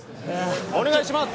お願いします